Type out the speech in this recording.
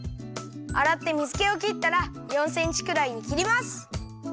あらって水けをきったら４センチくらいにきります。